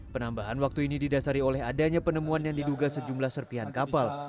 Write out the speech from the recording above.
penambahan waktu ini didasari oleh adanya penemuan yang diduga sejumlah serpihan kapal